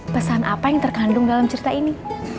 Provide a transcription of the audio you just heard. pesan apa yang terkandung dalam cerita ini